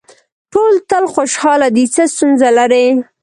ټول تل خوشاله دي څه ستونزه لري.